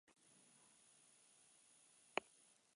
Orain arte fermio-kantitate urria ekoiztu ahal izan da.